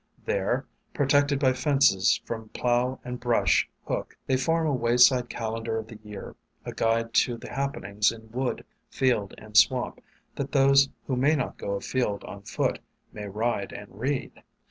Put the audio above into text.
There, pro tected by fences from plow and brush hook, they form a wayside calendar of the year, a guide to the happenings in wood, field, and swamp, that those who may not go afield on foot may ride and read.